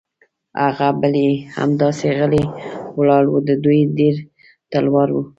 هغه بل یې همداسې غلی ولاړ و، د دوی ډېر تلوار و.